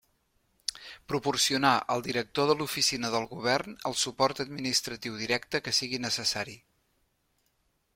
Proporcionar al director de l'Oficina del Govern el suport administratiu directe que sigui necessari.